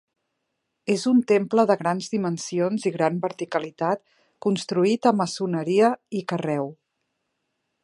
És un temple de grans dimensions i gran verticalitat construït a maçoneria i carreu.